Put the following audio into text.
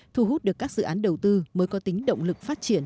thu hút được các dự án đầu tư mới có tính động lực phát triển